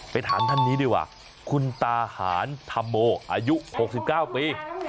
ไปถามท่านนี้ดีกว่าคุณตาหารธัมโมอายุหกสิบเก้าปี